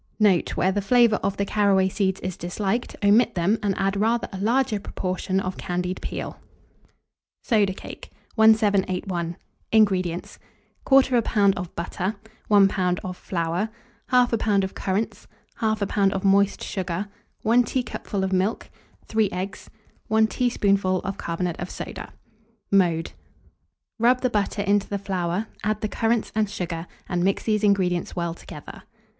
Note. Where the flavour of the caraway seeds is disliked, omit them, and add rather a larger proportion of candied peel. SODA CAKE. 1781. INGREDIENTS. 1/4 lb. of butter, 1 lb. of flour, 1/2 lb. of currants, 1/2 lb. of moist sugar, 1 teacupful of milk, 3 eggs, 1 teaspoonful of carbonate of soda. Mode. Rub the butter into the flour, add the currants and sugar, and mix these ingredients well together.